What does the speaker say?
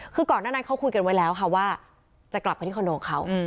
คือก่อนหน้านั้นเขาคุยกันไว้แล้วค่ะว่าจะกลับไปที่คอนโดเขา